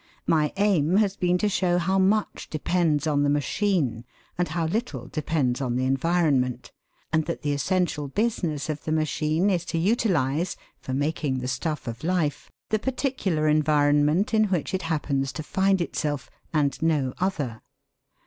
My aim has been to show how much depends on the machine and how little depends on the environment, and that the essential business of the machine is to utilise, for making the stuff of life, the particular environment in which it happens to find itself and no other!